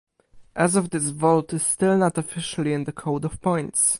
As of this vault is still not officially in the code of points.